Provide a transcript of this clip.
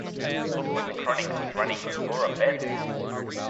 Look what the Chronicle is running on Laura Ben.